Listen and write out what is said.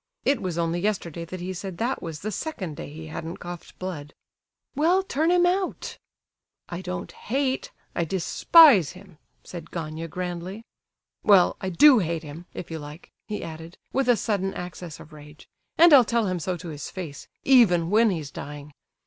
It was only yesterday that he said that was the second day he hadn't coughed blood." "Well, turn him out!" "I don't hate, I despise him," said Gania, grandly. "Well, I do hate him, if you like!" he added, with a sudden access of rage, "and I'll tell him so to his face, even when he's dying!